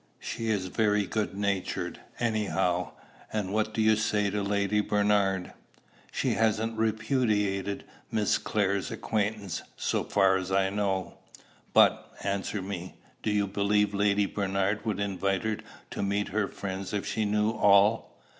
"She is very good natured, anyhow. And what do you say to Lady Bernard?" "She hasn't repudiated Miss Clare's acquaintance, so far as I know." "But, answer me, do you believe Lady Bernard would invite her to meet her friends if she knew all?"